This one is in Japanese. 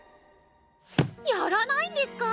ん？やらないんですか？